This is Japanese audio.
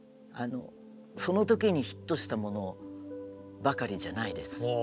その時にヒットしたものばかりじゃないです。